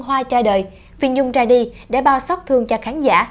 hoa tra đời phi nhung ra đi để bao sóc thương cho khán giả